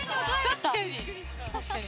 確かに。